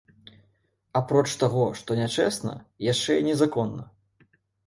Апроч таго, што нячэсна, яшчэ й незаконна.